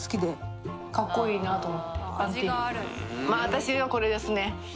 私はこれですね。